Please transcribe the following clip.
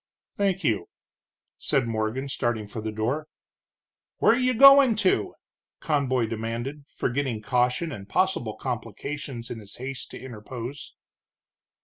"Thank you," said Morgan, starting for the door. "Where you goin' to?" Conboy demanded, forgetting caution and possible complications in his haste to interpose.